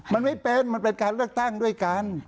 มันไม่เป็นมันเป็นการเลือกตั้งด้วยกัน